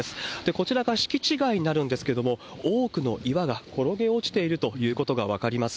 こちらが敷地外になるんですけれども、多くの岩が転げ落ちているということが分かります。